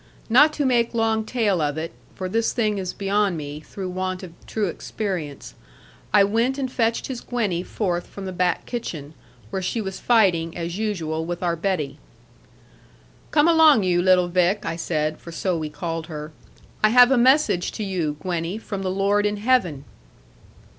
Not to make long tale of it for this thing is beyond me, through want of true experience I went and fetched his Gwenny forth from the back kitchen, where she was fighting, as usual, with our Betty. 'Come along, you little Vick,' I said, for so we called her; 'I have a message to you, Gwenny, from the Lord in heaven.'